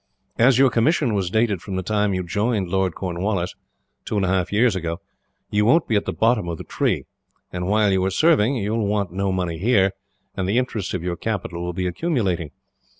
"As your commission was dated from the time you joined Lord Cornwallis, two and a half years ago, you won't be at the bottom of the tree, and while you are serving you will want no money here, and the interest of your capital will be accumulating.